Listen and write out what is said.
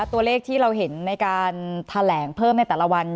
ตัวเลขที่เราเห็นในการแถลงเพิ่มในแต่ละวัน